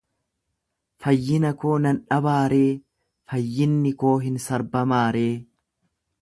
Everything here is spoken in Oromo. Fayyina koo nan dhabaaree? Fayyinni koo hin sarbamaaree?